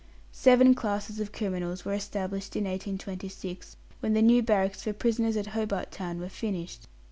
Seven classes of criminals were established in 1826, when the new barracks for prisoners at Hobart Town were finished.